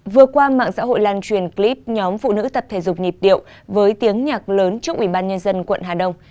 vừa qua mạng xã hội lan truyền clip nhóm phụ nữ tập thể dục nhịp điệu với tiếng nhạc lớn trước ubnd quận hà đông